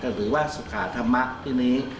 หรือว่าสุขาธรรมะที่นี้